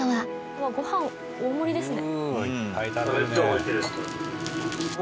うわご飯大盛りですね。